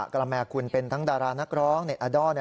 กระแมคุณเป็นทั้งดารานักร้องเน็ตอาดอล